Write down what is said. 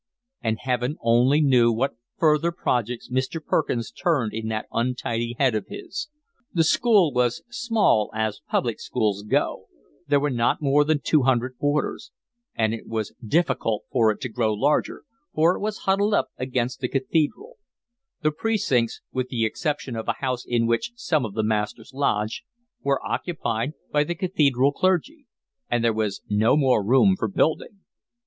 And heaven only knew what further projects Mr. Perkins turned in that untidy head of his. The school was small as public schools go, there were not more than two hundred boarders; and it was difficult for it to grow larger, for it was huddled up against the Cathedral; the precincts, with the exception of a house in which some of the masters lodged, were occupied by the cathedral clergy; and there was no more room for building.